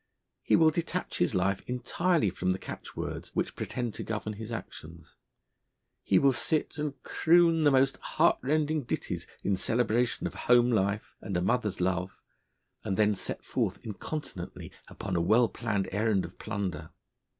He will detach his life entirely from the catchwords which pretend to govern his actions; he will sit and croon the most heartrending ditties in celebration of home life and a mother's love, and then set forth incontinently upon a well planned errand of plunder.